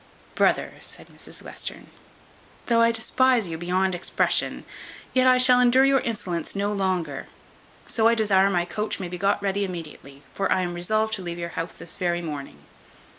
"Brother," said Mrs Western, "though I despise you beyond expression, yet I shall endure your insolence no longer; so I desire my coach may be got ready immediately, for I am resolved to leave your house this very morning."